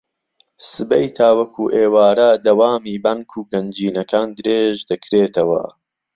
سبەی تاوەکو ئێوارە دەوامی بانک و گەنجینەکان درێژدەکرێتەوە